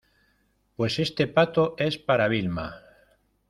pues este pato es para Vilma.